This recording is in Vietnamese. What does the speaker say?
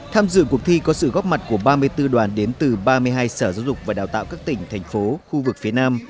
tham dự cuộc thi có sự góp mặt của ba mươi bốn đoàn đến từ ba mươi hai sở giáo dục và đào tạo các tỉnh thành phố khu vực phía nam